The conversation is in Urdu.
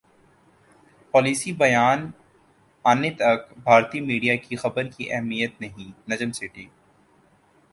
پالیسی بیان انے تک بھارتی میڈیا کی خبر کی اہمیت نہیںنجم سیٹھی